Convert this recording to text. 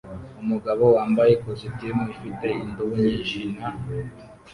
Umugabo wambaye ikositimu ifite indobo nyinshi na